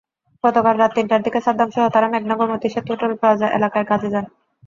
গতকাল রাত তিনটার দিকে সাদ্দামসহ তাঁরা মেঘনা-গোমতী সেতু টোলপ্লাজা এলাকায় কাজে যান।